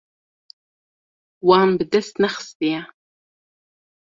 Wan bi dest nexistiye.